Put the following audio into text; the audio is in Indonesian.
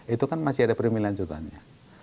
itu kan masih ada premi lanjutannya